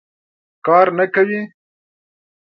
کار نه کوي.